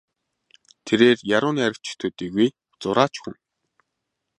Тэрээр яруу найрагч төдийгүй зураач хүн.